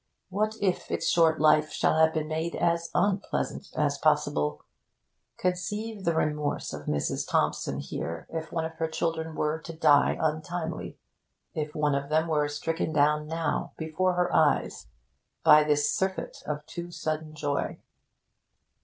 What if its short life shall have been made as unpleasant as possible? Conceive the remorse of Mrs. Thompson here if one of her children were to die untimely if one of them were stricken down now, before her eyes, by this surfeit of too sudden joy!